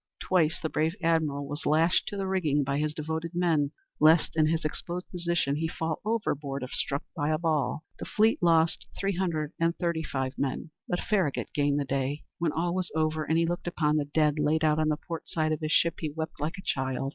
Twice the brave admiral was lashed to the rigging by his devoted men, lest in his exposed position he fall overboard if struck by a ball. The fleet lost three hundred and thirty five men, but Farragut gained the day. When all was over, and he looked upon the dead laid out on the port side of his ship, he wept like a child.